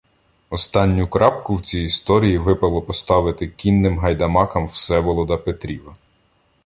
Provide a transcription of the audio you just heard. Останню крапку в цій історії випало поставити кінним гайдамакам Всеволода Петріва.